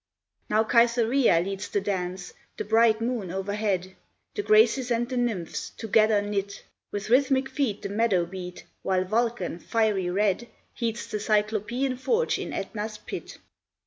Now Cytherea leads the dance, the bright moon overhead; The Graces and the Nymphs, together knit, With rhythmic feet the meadow beat, while Vulcan, fiery red, Heats the Cyclopian forge in Aetna's pit.